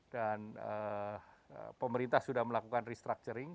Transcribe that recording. dan pemerintah sudah melakukan restructuring